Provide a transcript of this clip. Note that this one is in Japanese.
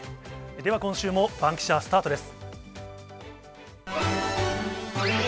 では今週も、バンキシャ、スタートです。